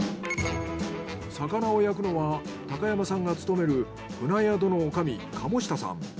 魚を焼くのは高山さんが勤める船宿の女将鴨下さん。